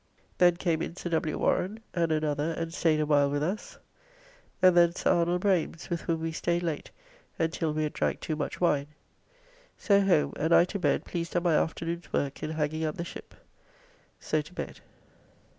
Then came in Sir W. Warren and another and staid a while with us, and then Sir Arnold Brames, with whom we staid late and till we had drank too much wine. So home and I to bed pleased at my afternoon's work in hanging up the shipp. So to bed.